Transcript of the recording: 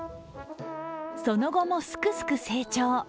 その後も、すくすく成長。